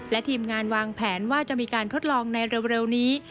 และทีมงานวางแผนว่าจะมีการทดลองในเร็วนี้